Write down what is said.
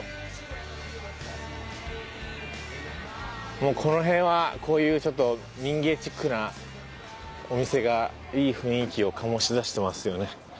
もうこの辺はこういうちょっと民芸ちっくなお店がいい雰囲気を醸し出してますよね。